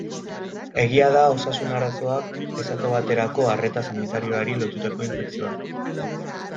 Egia da osasun arazoak, esate baterako arreta sanitarioari lotutako infekzioak.